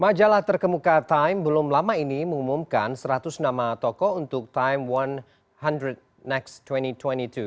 majalah terkemuka time belum lama ini mengumumkan seratus nama tokoh untuk time seratus next dua ribu dua puluh dua